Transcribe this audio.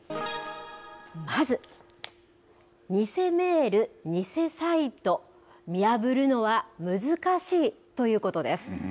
まず偽メール・偽サイト、見破るのは難しいということです。